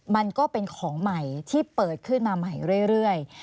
มันก็เป็นของใหม่ที่เปิดขึ้นมาใหม่เรื่อย